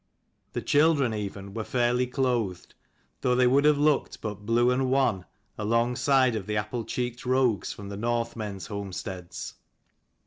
The children even were finely clothed, though they would have looked but blue and wan alongside of the applecheeked rogues from the Northmen's homesteads.